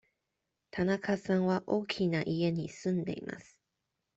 田中さんは大きな家に住んでいます。